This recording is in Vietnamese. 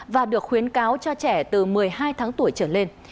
và được khuyến cáo cho trẻ từ một mươi hai tháng tuổi trở lên